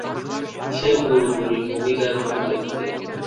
সে পুরোপুরি নোবিতার মতো দেখতে।